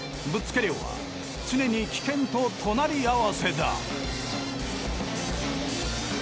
ぶっつけ漁は常に危険と隣り合わせだ。